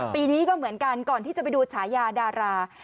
ปีนี้ก็เหมือนกันก่อนที่จะไปดูฉายาดารา